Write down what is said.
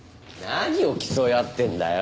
何を競い合ってんだよ。